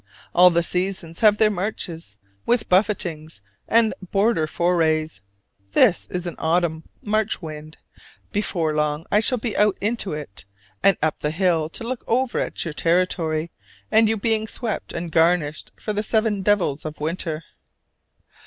All the seasons have their marches, with buffetings and border forays: this is an autumn march wind; before long I shall be out into it, and up the hill to look over at your territory and you being swept and garnished for the seven devils of winter.